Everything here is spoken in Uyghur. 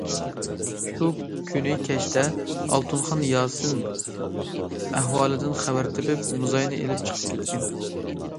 شۇ كۈنى كەچتە، ئالتۇنخان ياسىن ئەھۋالدىن خەۋەر تېپىپ موزاينى ئېلىپ چىقىپ كەتكەن.